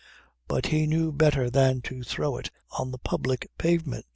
But he knew better than to throw it on the public pavement.